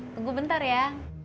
tunggu bentar ya